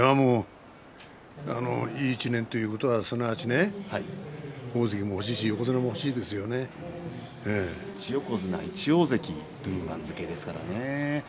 いい１年ということはすなわち、大関も欲しいし１横綱１大関という番付ですからね。